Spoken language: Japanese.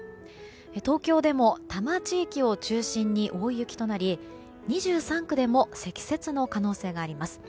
東京でも多摩地域を中心に大雪となり２３区でも積雪の可能性があります。